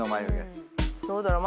どうだろう？